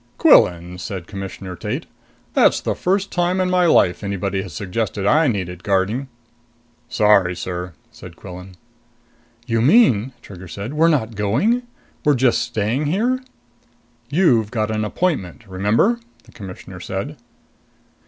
"Quillan," said Commissioner Tate, "that's the first time in my life anybody has suggested I need guarding." "Sorry sir," said Quillan. "You mean," Trigger said, "we're not going? We're just staying here?" "You've got an appointment, remember?" the Commissioner said.